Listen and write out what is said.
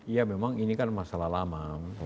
ya memang ini kan masalah lama